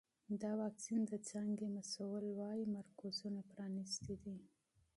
د واکسین د څانګې مسؤل وایي مرکزونه پرانیستي دي.